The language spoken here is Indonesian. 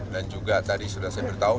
dan juga tadi sudah saya beritahu